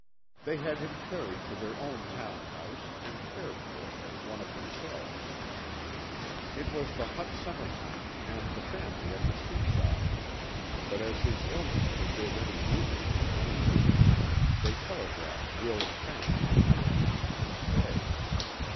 They had him carried to their own town house and cared for as one of themselves. It was the hot summer time and the family at the seaside, but as his illness forbid any moving for many weeks they telegraphed Will's family to come to him, and stay.